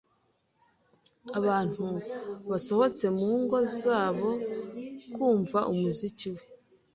Abantu basohotse mu ngo zabo kumva umuziki we.